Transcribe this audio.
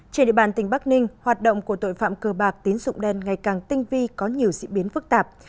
trên địa bàn tỉnh bắc ninh hoạt động của tội phạm cơ bạc tín dụng đen ngày càng tinh vi có nhiều diễn biến phức tạp